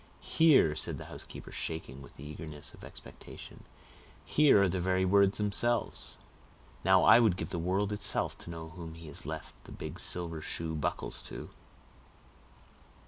"Here," said the housekeeper, shaking with the eagerness of expectation, "here are the very words themselves; now I would give the world itself to know whom he has left the big silver shoe buckles to."